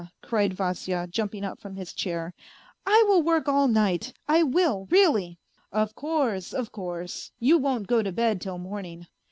cried Vasya, jumping up from bis chair, " I will work all night, I will, really." " Of course, of course, you won't go to bed till morning."